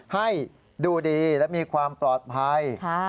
ให้ดูดีและมีความปลอดภัย